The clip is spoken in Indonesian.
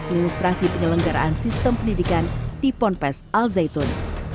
dan administrasi penyelenggaraan sistem pendidikan di pompest al zaitun